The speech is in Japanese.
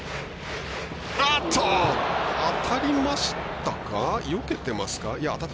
当たりましたか？